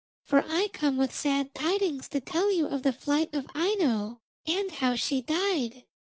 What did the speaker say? For I come with sad tidings to tell you of the flight of Aino and how she died.